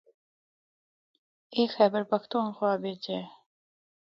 اے خیبر پختونخواہ بچ اے۔